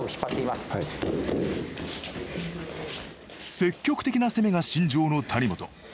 積極的な攻めが信条の谷本。